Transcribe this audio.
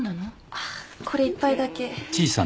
あこれ一杯だけ。